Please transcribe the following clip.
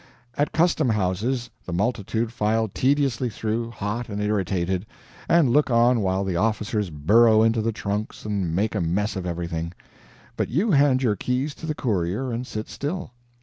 At custom houses the multitude file tediously through, hot and irritated, and look on while the officers burrow into the trunks and make a mess of everything; but you hand your keys to the courier and sit still.